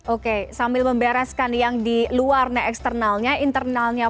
oke sambil membereskan yang di luar eksternalnya internalnya